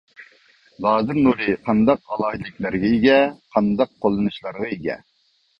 لازېر نۇرى قانداق ئالاھىدىلىكلەرگە ئىگە؟ قانداق قوللىنىشلارغا ئىگە؟